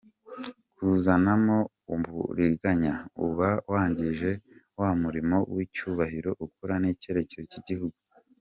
Kuzanamamo uburiganya, uba wangije wa murimo w’icyubahiro ukora n’icyerekezo cy’igihugu.